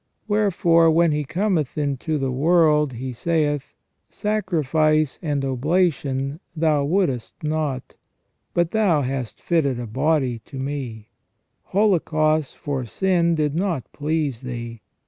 Wherefore when He cometh into the world He saith : Sacrifice and oblation Thou wouldest not : but Thou hast fitted a body to me : holocausts for sin did not please Thee.